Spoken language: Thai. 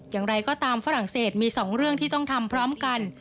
อย่างไรก็ตามฝรั่งเศสมี๒เรื่องที่ต้องทำพร้อมกัน